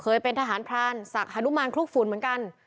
เคยเป็นทหารพรานสักฮารุมารคลุกฝุ่นเหมือนกัน